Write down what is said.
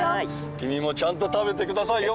君もちゃんと食べてくださいよ。